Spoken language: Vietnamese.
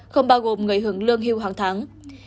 không bao gồm người hưởng lương hưu hàng tháng